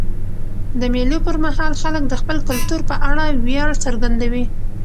د مېلو پر مهال خلک د خپل کلتور په اړه ویاړ څرګندوي.